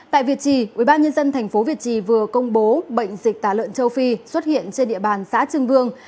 tại việt trì ubnd tp việt trì vừa công bố bệnh dịch tả lợn châu phi xuất hiện trên địa bàn xã trưng vương